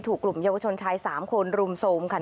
ถูกกลุ่มเยาวชนชาย๓คนรุมโทรมค่ะ